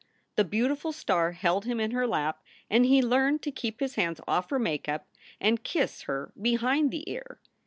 The beautiful star held him in her lap, and he learned to keep his hands off her make up and kiss her behind the ear.